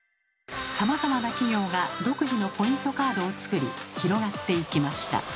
さまざまな企業が独自のポイントカードを作り広がっていきました。